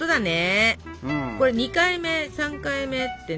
これ２回目３回目ってね